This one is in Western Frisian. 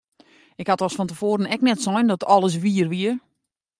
Ik ha dochs fan te foaren ek net sein dat alles wier wie!